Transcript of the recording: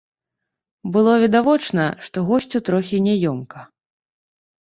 Было відавочна, што госцю трохі няёмка.